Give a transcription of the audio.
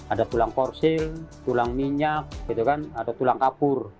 ada tulang korsil tulang minyak gitu kan ada tulang kapur